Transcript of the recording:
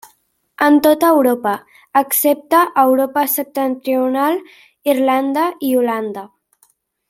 En tota Europa, excepte a Europa septentrional, Irlanda i Holanda.